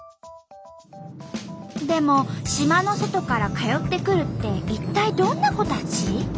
でも島の外から通ってくるって一体どんな子たち？